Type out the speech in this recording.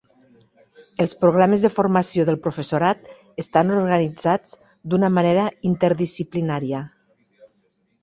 Els programes de formació del professorat estan organitzats d'una manera interdisciplinària.